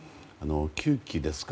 ９期ですか。